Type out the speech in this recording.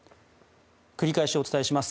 繰り返しお伝えします。